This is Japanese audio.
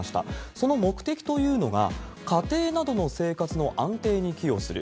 その目的というのが、家庭などの生活の安定に寄与する。